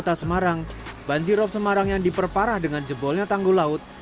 kota semarang banjirop semarang yang diperparah dengan jebolnya tanggul laut